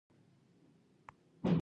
ایا زه باید د فشار ټسټ وکړم؟